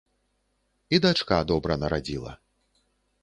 І дачка добра нарадзіла.